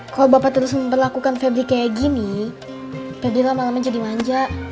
kalau bapak terus memperlakukan pebli kayak gini peblilah malamnya jadi manja